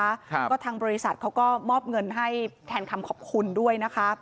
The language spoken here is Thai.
ครับก็ทางบริษัทเขาก็มอบเงินให้แทนคำขอบคุณด้วยนะคะ